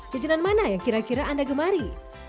jajanan mana yang kira kira anda gemari